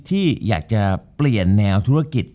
ที่อยากจะเปลี่ยนแนวธุรกิจ